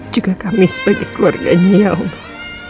juga kami sebagai keluarganya ya allah